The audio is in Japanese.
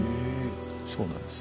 そうなんです。